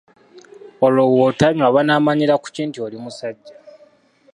Olwo bw'otanywa banaamanyira ku ki nti oli musajja?